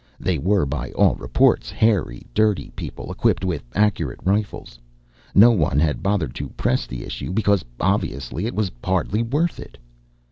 They were, by all reports, hairy, dirty people equipped with accurate rifles. No one had bothered to press the issue, because obviously it was hardly worth it.